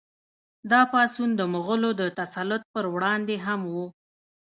دا پاڅون د مغولو د تسلط پر وړاندې هم و.